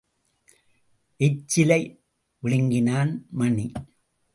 எச்சிலை விழங்கினான் மணி.